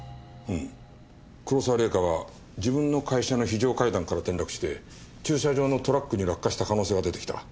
黒沢玲香は自分の会社の非常階段から転落して駐車場のトラックに落下した可能性が出てきた。